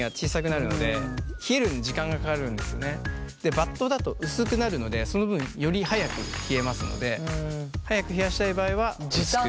バットだと薄くなるのでその分より早く冷えますので早く冷やしたい場合は薄く。